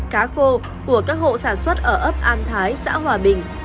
cá khô của các hộ sản xuất ở ấp an thái xã hòa bình